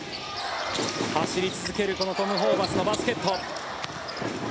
走り続けるこのトム・ホーバスのバスケット。